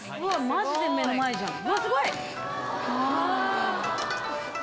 マジで目の前じゃん！